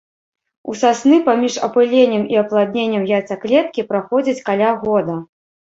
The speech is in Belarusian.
У сасны паміж апыленнем і апладненнем яйцаклеткі праходзіць каля года.